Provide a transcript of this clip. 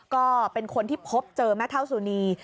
ก็เป็นคนที่พบเจอแม่เท่าสุนี